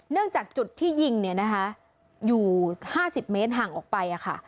จากจุดที่ยิงเนี่ยนะคะอยู่๕๐เมตรห่างออกไปค่ะ